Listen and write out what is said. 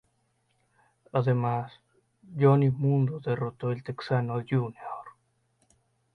Además, Johnny Mundo derrotó a El Texano Jr.